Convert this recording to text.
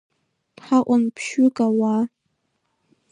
Ҳаҟан ԥшьҩык ауаа…